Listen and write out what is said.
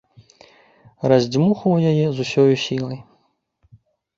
Раздзьмухваў яе з усёю сілай.